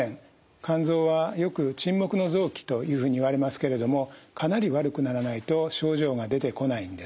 肝臓はよく沈黙の臓器というふうにいわれますけれどもかなり悪くならないと症状が出てこないんです。